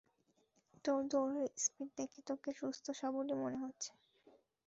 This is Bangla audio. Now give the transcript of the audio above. তোর দৌড়ের স্পিড দেখে, তোকে সুস্থসবলই মনে হচ্ছে।